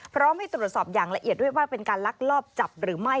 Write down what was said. พร้อมให้ตรวจสอบอย่างละเอียดด้วยว่าเป็นการลักลอบจับหรือไม่